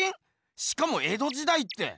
しかも江戸時代って。